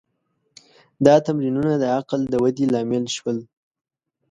دا تمرینونه د عقل د ودې لامل شول.